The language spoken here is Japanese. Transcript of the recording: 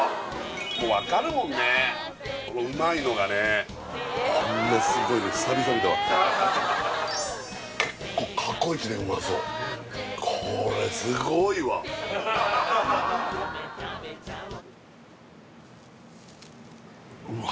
もう分かるもんねうまいのがねこんなすごいの久々に見たわこれ過去イチでうまそうこれすごいわうわ